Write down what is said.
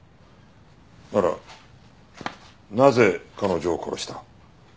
ならなぜ彼女を殺した？